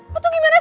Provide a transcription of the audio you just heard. lo tuh gimana sih